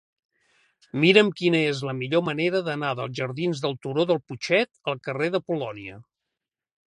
Mira'm quina és la millor manera d'anar dels jardins del Turó del Putxet al carrer de Polònia.